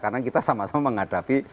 karena kita sama sama menghadapi